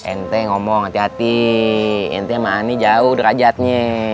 ente ngomong hati hati ente sama aneh jauh derajatnya